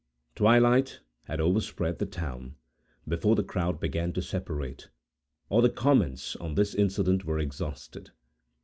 Twilight had overspread the town, before the crowd began to separate, or the comments on this incident were exhausted.